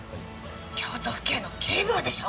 京都府警の警部補でしょ。